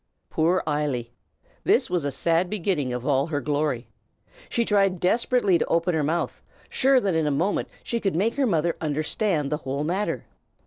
Poor Eily! This was a sad beginning of all her glory. She tried desperately to open her mouth, sure that in a moment she could make her mother understand the whole matter.